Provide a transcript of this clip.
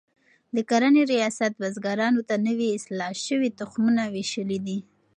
د کرنې ریاست بزګرانو ته نوي اصلاح شوي تخمونه ویشلي دي.